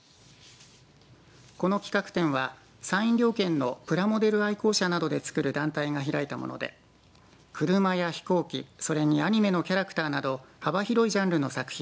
この企画展は山陰両県のプラモデル愛好者などでつくる団体が開いたもので車や飛行機それにアニメのキャラクターなど幅広いジャンルの作品